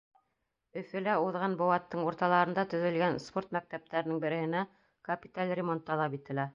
Өфөлә уҙған быуаттың урталарында төҙөлгән спорт мәктәптәренең береһенә капиталь ремонт талап ителә.